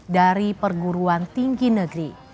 dari perguruan tinggi negeri